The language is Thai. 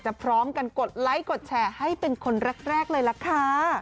พร้อมกันกดไลค์กดแชร์ให้เป็นคนแรกเลยล่ะค่ะ